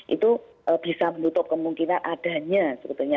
itu bisa menutup kemungkinan adanya sebetulnya